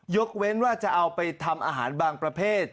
เว้นว่าจะเอาไปทำอาหารบางประเภท